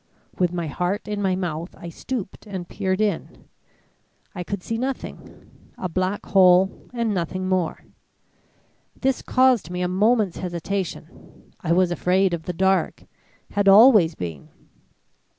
With my heart in my mouth, I stooped and peered in. I could see nothing a black hole and nothing more. This caused me a moment's hesitation. I was afraid of the dark had always been.